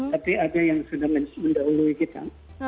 tapi ada yang sudah mendahului kita